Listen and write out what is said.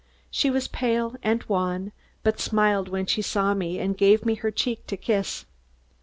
She was pale and wan, but smiled when she saw me and gave me her cheek to kiss.